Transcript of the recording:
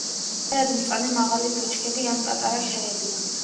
მარადმწვანე მაღალი ბუჩქები ან პატარა ხეებია.